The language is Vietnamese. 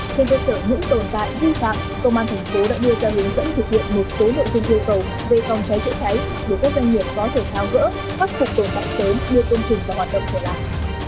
trên giới sở những tồn tại vi phạm công an thành phố đã đưa ra hướng dẫn thực hiện một số nội dung yêu cầu về phòng cháy trợ cháy để các doanh nghiệp có thể thao gỡ phát phục tồn tại sớm như công trình và hoạt động thời gian